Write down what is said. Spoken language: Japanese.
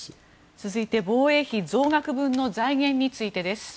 続いて、防衛費増額分の財源についてです。